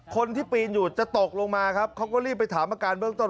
คนที่ปีนอยู่จะตกลงมาครับเขาก็รีบไปถามอาการเบื้องต้น